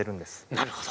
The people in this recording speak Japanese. なるほど。